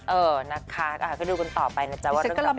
เออนะคะก็ดูคุณต่อไปนะจ๊ะว่าต้องการเป็นยังไง